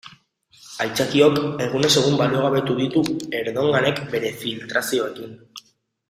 Aitzakiok egunez egun baliogabetu ditu Erdoganek bere filtrazioekin.